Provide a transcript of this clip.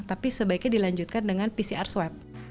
tapi sebaiknya dilanjutkan dengan pcr swab